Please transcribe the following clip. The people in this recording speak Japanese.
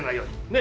ね。